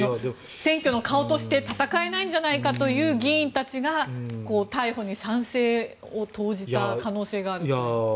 選挙の顔として戦えないんじゃないかという議員たちが逮捕に賛成を投じた可能性があるという。